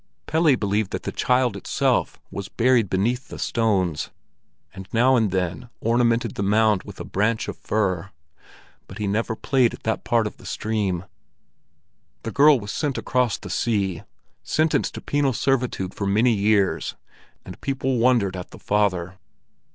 Pelle believed that the child itself was buried beneath the stones, and now and then ornamented the mound with a branch of fir; but he never played at that part of the stream. The girl was sent across the sea, sentenced to penal servitude for many years, and people wondered at the father.